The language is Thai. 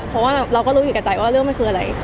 เพราะว่าเราก็รู้อยู่กับใจว่าเรื่องมันคืออะไร